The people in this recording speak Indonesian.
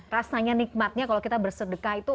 rasanya nikmatnya kalau kita bersedekah itu